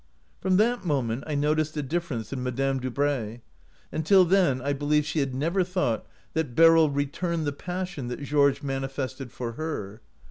"From that moment I noticed a differ ence in Madame Dubray. Until then I believe she had never thought that Beryl returned the passion that Georges manifested for her.